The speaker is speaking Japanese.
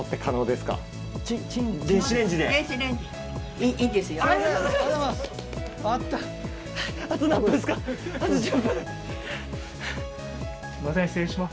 すいません失礼します。